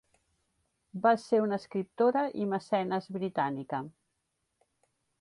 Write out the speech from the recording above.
Va ser una escriptora i mecenes britànica.